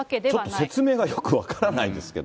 ちょっと説明がよく分からないですけど。